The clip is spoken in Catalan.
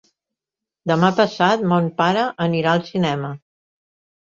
Demà passat mon pare anirà al cinema.